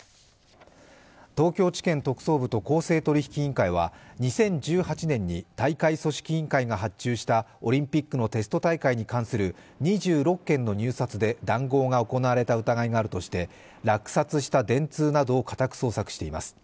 東京地検特捜部と公正取引委員会は２０１８年に大会組織委員会が発注したオリンピックのテスト大会に関する２６件の入札で談合が疑いがあるとして落札した電通などを家宅捜索しています。